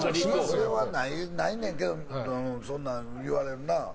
それはないねんけどそんなん言われるな。